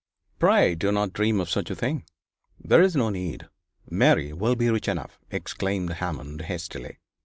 'Pray do not dream of such a thing there is no need Mary will be rich enough,' exclaimed Hammond, hastily.